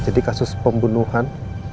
jadi kasus pembunuhan